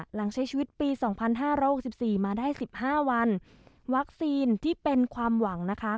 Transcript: หลังใช้ชีวิตปีสองพันห้าร้อยหกสิบสี่มาได้สิบห้าวันวัคซีนที่เป็นความหวังนะคะ